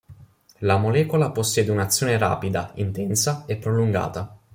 La molecola possiede un'azione rapida, intensa e prolungata.